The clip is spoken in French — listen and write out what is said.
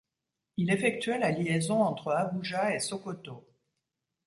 Il effectuait la liaison entre Abuja et Sokoto.